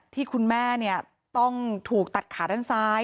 ที่คุณแม่ต้องถูกตัดขาด้านซ้าย